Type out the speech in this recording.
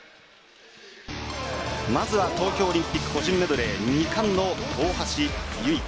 まずは東京オリンピック個人メドレー２冠の大橋悠依。